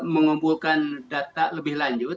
mengumpulkan data lebih lanjut